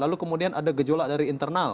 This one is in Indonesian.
lalu kemudian ada gejolak dari internal